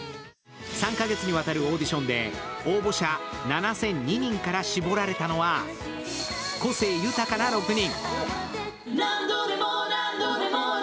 ３か月にわたるオーディションで応募者７００２人から絞られたのは個性豊かな６人。